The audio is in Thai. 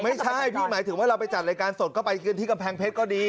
ไม่ใช่พี่หมายถึงว่าเราไปจัดรายการสดก็ไปกันที่กำแพงเพชรก็ดี